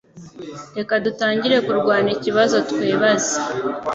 Reka dutangire kurwana ikibazo twibaza